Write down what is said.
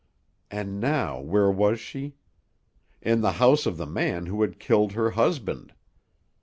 And now where was she? In the house of the man who had killed her husband!